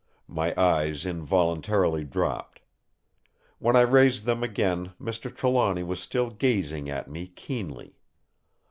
My eyes involuntarily dropped. When I raised them again Mr. Trelawny was still gazing at me keenly.